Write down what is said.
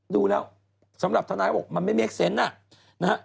ดูแล้วสำหรับทนายเขาบอกมันไม่เมคเซนต์น่ะนะฮะ